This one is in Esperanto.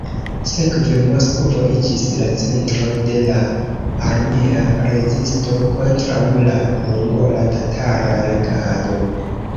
Sekve Moskvo iĝis la centro de la armea rezisto kontraŭ la mongola-tatara regado.